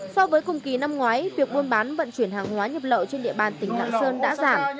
so với cùng kỳ năm ngoái việc buôn bán vận chuyển hàng hóa nhập lậu trên địa bàn tỉnh lạng sơn đã giảm